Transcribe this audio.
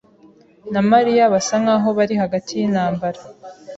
na Mariya basa nkaho bari hagati yintambara.